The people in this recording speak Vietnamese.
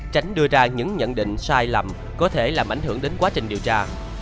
tránh đưa ra những nhận định sai lầm có thể làm ảnh hưởng đến quá trình điều tra